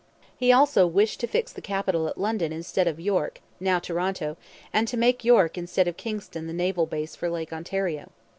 He also wished to fix the capital at London instead of York, now Toronto, and to make York instead of Kingston the naval base for Lake Ontario.